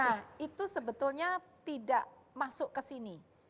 nah itu sebetulnya tidak masuk ke sini